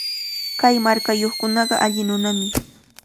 Kay markayuqkunaqa alli nunami.